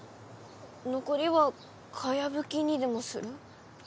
残りは茅葺きにでもする？